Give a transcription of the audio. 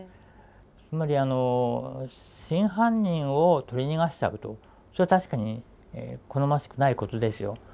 つまり真犯人を取り逃がしたことそれは確かに好ましくないことですよ。